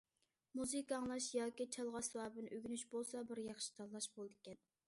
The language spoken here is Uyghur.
مۇزىكا ئاڭلاش ياكى چالغۇ ئەسۋابىنى ئۆگىنىش بولسا بىر ياخشى تاللاش بولىدىكەن.